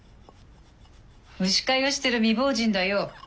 牛飼いをしてる未亡人だよ。